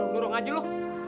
lurung aja lu